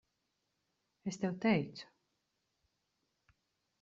Es tev teicu.